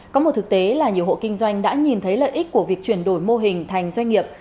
có một thực tế là nhiều hộ kinh doanh đã nhìn thấy lợi ích của việc chuyển đổi mô hình thành doanh nghiệp